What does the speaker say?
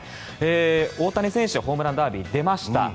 大谷選手はホームランダービー出ました。